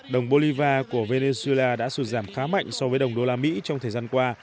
đồng bolivar của venezuela đã sụt giảm khá mạnh so với đồng đô la mỹ trong thời gian qua